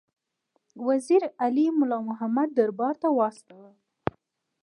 وزیر علي مُلا محمد دربار ته واستاوه.